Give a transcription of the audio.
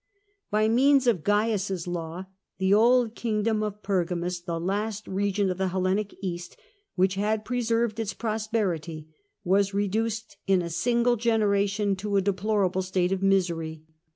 By means of Cains's law the old kingdom of Pergamus, the last region of the Hellenic Bast which had preserved its prosperity, was reduced in a single generation to a deplorable state of misery.